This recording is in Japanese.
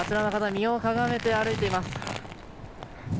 身をかがめて歩いています。